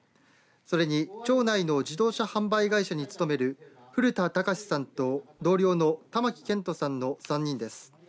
それに町内の自動車販売会社に勤める古田卓士さんと同僚の玉置拳斗さんの３人です。